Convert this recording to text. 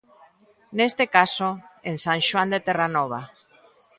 Neste caso, en San Xoán de Terranova.